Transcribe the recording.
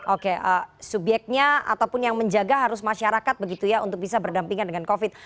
oke subyeknya ataupun yang menjaga harus masyarakat begitu ya untuk bisa berdampingan dengan covid